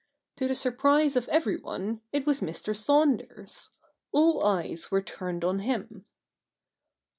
To the surprise of everyone, it was Mr. Saunders. All eyes were turned on him.